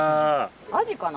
アジかな？